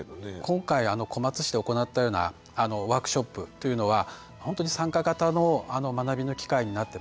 今回小松市で行ったようなワークショップというのは本当に参加型の学びの機会になってます。